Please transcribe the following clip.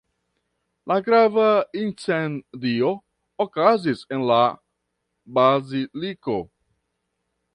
La grava incendio okazis en la baziliko.